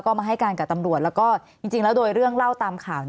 ก็มาให้การกับตำรวจแล้วก็จริงแล้วโดยเรื่องเล่าตามข่าว